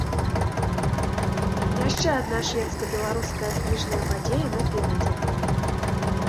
Яшчэ адна шведска-беларуская кніжная падзея наперадзе.